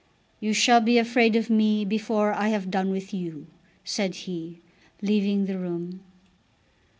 "You shall be afraid of me before I have done with you," said he, leaving the room.